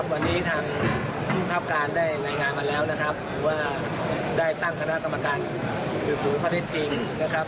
วันนี้ทางผู้ภาพการได้แรงงานมาแล้วนะครับว่าได้ตั้งคณะกรรมการสื่อสูงพอได้จริงนะครับ